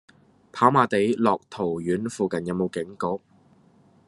跑馬地樂陶苑附近有無警局？